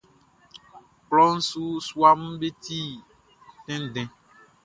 Klɔʼn su suaʼm be ti tɛnndɛn.